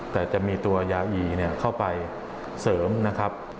แต่จะมีตัวยาอีเข้าไปเสริมนะครับ